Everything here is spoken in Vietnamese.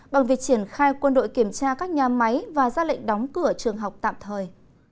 bằng việc triển khai quân đội kiểm tra các nhà máy và ra lệnh đóng cửa trường học tạm thời